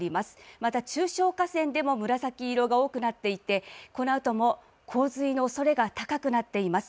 また中小河川でも紫色が多くなっていてこのあとも洪水のおそれが高くなっています。